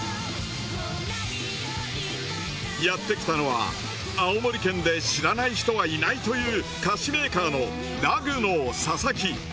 やってきたのは青森県で知らない人はいないという菓子メーカーの。